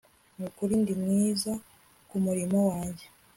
Nukuri ndi mwiza kumurimo wanjye